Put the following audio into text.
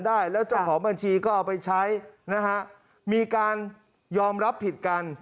ได้แล้วเจ้าของบัญชีก็เอาไปใช้นะฮะมีการยอมรับผิดกัน